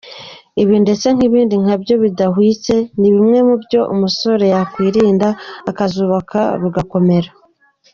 Ibi ndetse n’ibindi nkabyo bidahwitse ni bimwe mu byo umusore yakwirinda akazubaka rugakomera.